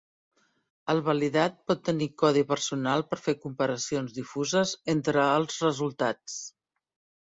El validat pot tenir codi personal per fer comparacions difuses entre els resultats.